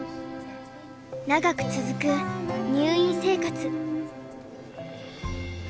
長く続く入院生活。